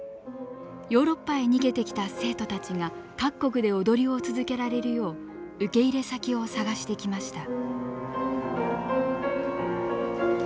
ヨーロッパへ逃げてきた生徒たちが各国で踊りを続けられるよう受け入れ先を探してきました。